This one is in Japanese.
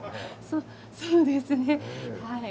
そうですねはい。